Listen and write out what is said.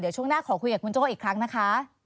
ช่วงหน้าขอคุยกับคุณโจ้อีกครั้งนะคะ